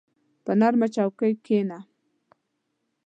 په نرمه چوکۍ کښېنه.